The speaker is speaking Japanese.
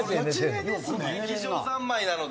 劇場三昧なので。